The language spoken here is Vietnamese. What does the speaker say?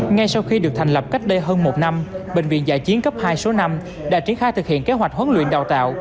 ngay sau khi được thành lập cách đây hơn một năm bệnh viện dạ chiến cấp hai số năm đã triển khai thực hiện kế hoạch huấn luyện đào tạo